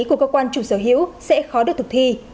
của cơ quan chủ sở hữu sẽ khó được thực thi